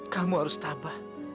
kamu harus tabah